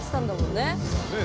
ねえ。